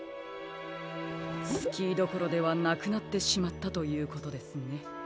スキーどころではなくなってしまったということですね。